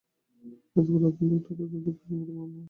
এত বড়ো আধুনিকটাকে তোদের প্রাচীন বলে ভ্রম হয়?